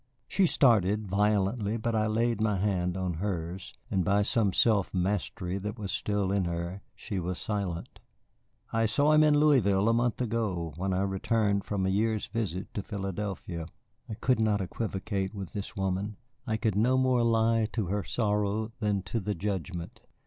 She started violently, but I laid my hand on hers, and by some self mastery that was still in her she was silent. "I saw him in Louisville a month ago, when I returned from a year's visit to Philadelphia." I could not equivocate with this woman, I could no more lie to her sorrow than to the Judgment.